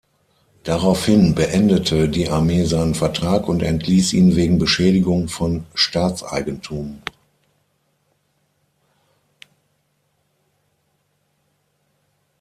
Daraufhin beendete die Armee seinen Vertrag und entließ ihn wegen Beschädigung von Staatseigentum.